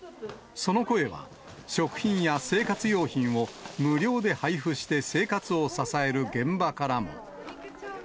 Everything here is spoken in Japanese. その声は、食品や生活用品を無料で配布して、生活を支える現場からも。